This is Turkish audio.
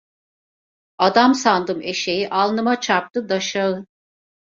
Adam sandım eşeği, alnıma çarptı daşşağı!